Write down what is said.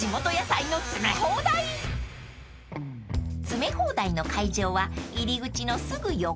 ［詰め放題の会場は入り口のすぐ横］